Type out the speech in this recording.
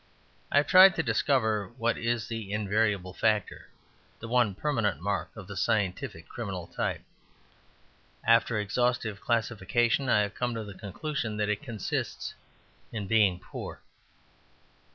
I have tried to discover what is the invariable factor, the one permanent mark of the scientific criminal type; after exhaustive classification I have to come to the conclusion that it consists in being poor.